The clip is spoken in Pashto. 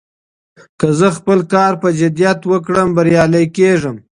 که زه خپل کار په جدیت وکړم، بريالی کېږم.